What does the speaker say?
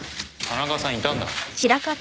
田中さんいたんだ。